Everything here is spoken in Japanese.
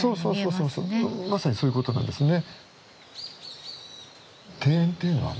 まさにそういうことなんですね。